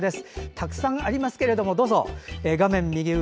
たくさんありますけどどうぞ、画面右上